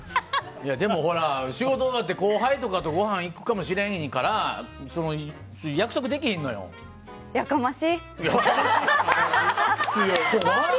でも、仕事終わって後輩とかとごはん行くかもしれんからやかましい！